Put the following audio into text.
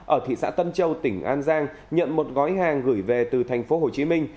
ở thị xã tân châu tỉnh an giang nhận một gói hàng gửi về từ thành phố hồ chí minh